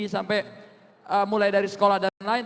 sampai mulai dari sekolah dan lain